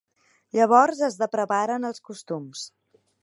Llavors es depravaren els costums.